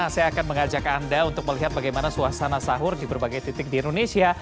saya akan mengajak anda untuk melihat bagaimana suasana sahur di berbagai titik di indonesia